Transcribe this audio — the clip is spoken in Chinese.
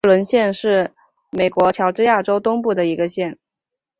沃伦县是美国乔治亚州东部的一个县。